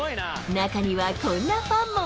中にはこんなファンも。